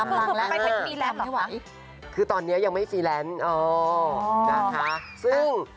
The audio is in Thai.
กำลังแล้วคือตอนนี้ยังไม่ฟีแลนด์อ๋อนะคะซึ่ง